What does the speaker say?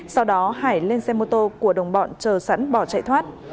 sau đó hải lên xe mô tô của đồng bọn chờ sẵn bỏ chạy thoát